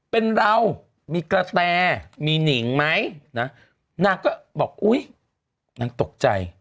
เป็นเรามีกระแตมีหนิงไหมนะนางก็บอกอุ๊ยนางตกใจ